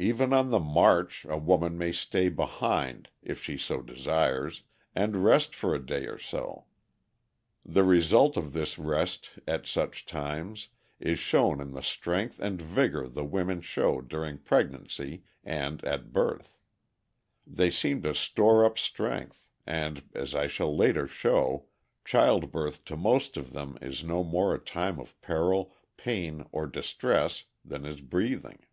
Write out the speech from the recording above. Even on the march a woman may stay behind (if she so desires) and rest for a day or so. The result of this rest at such times is shown in the strength and vigor the women show during pregnancy and at birth. They seem to store up strength, and, as I shall later show, childbirth to most of them is no more a time of peril, pain, or distress than is breathing. [Illustration: A HAVASUPAI MOTHER, PROUD OF HER MAN CHILD.